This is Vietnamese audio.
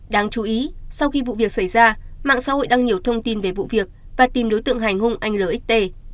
đáng chú ý sau khi vụ việc xảy ra mạng xã hội đăng nhiều thông tin về vụ việc và tìm đối tượng hành hung anh lt